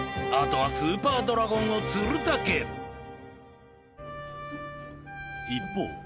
あとはスーパードラゴンを釣るだけ一方